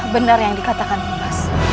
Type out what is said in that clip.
benar yang dikatakan ibu nda